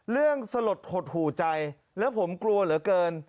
สลดหดหูใจแล้วผมกลัวเหลือเกิน